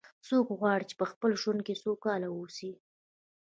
څوک غواړي چې په خپل ژوند کې سوکاله و اوسي